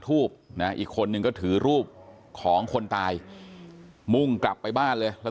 ทูบนะอีกคนนึงก็ถือรูปของคนตายมุ่งกลับไปบ้านเลยแล้ว